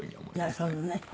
なるほどね。